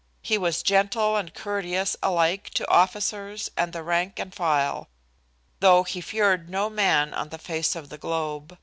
He was gentle and courteous alike to officers and the rank and file, though he feared no man on the face of the globe.